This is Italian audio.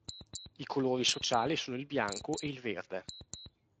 I colori sociali sono il bianco e il verde.